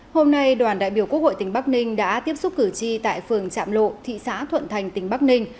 hôm nay đoàn đại biểu quốc hội tỉnh bắc ninh đã tiếp xúc cử tri tại phường trạm lộ thị xã thuận thành tỉnh bắc ninh